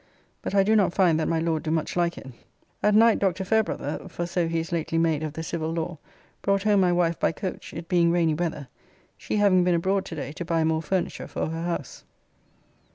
But I do not find that my Lord do much like it. At night Dr. Fairbrother (for so he is lately made of the Civil Law) brought home my wife by coach, it being rainy weather, she having been abroad today to buy more furniture for her house.